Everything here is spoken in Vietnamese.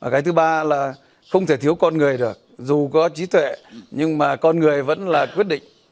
cái thứ ba là không thể thiếu con người được dù có trí tuệ nhưng mà con người vẫn là quyết định